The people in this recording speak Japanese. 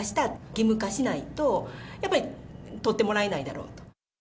義務化しないと、やっぱり取ってもらえないだろうと。